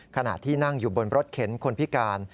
ขณะที่นั่งอยู่บนรถเข็นคนพิการ